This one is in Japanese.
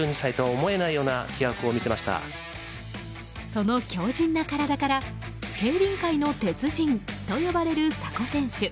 その強靱な体から競輪界の鉄人と呼ばれる佐古選手。